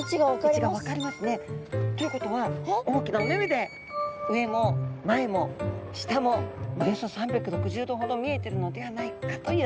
位置が分かりますね。ということは大きなお目々で上も前も下もおよそ３６０度ほど見えてるのではないかといわれています。